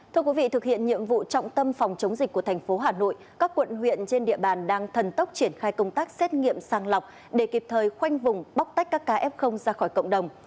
thưa quý vị thực hiện nhiệm vụ trọng tâm phòng chống dịch của thành phố hà nội các quận huyện trên địa bàn đang thần tốc triển khai công tác xét nghiệm sàng lọc để kịp thời khoanh vùng bóc tách các ca f ra khỏi cộng đồng